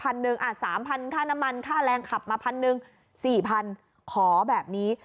อะ๓๐๐๐ค่าน้ำมันค่าแรงขับมา๑๐๐๐แต่๔๐๐๐ขอแบบนี้